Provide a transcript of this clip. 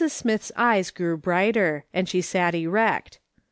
Smith's eyes grew brighter, and she sat erect.